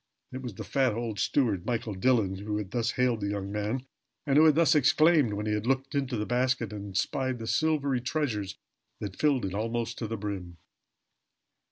It was the fat old steward, Michael Dillon, who had thus hailed the young man, and who had thus exclaimed when he had looked into the basket and espied the silvery treasures that filled it almost to the brim.